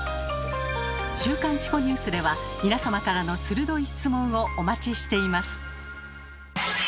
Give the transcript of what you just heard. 「週刊チコニュース」では皆様からの鋭い質問をお待ちしています。